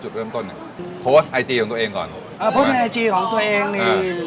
จุดเริ่มต้นเนี่ยโพสต์ไอจีของตัวเองก่อนเออโพสต์ในไอจีของตัวเองนี่